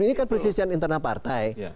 ini kan persisian internal partai